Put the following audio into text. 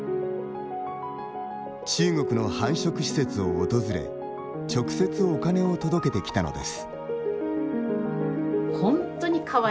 中国の繁殖施設を訪れ直接お金を届けてきたのです。